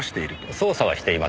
捜査はしていません。